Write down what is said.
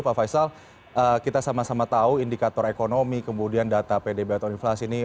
pak faisal kita sama sama tahu indikator ekonomi kemudian data pdb atau inflasi ini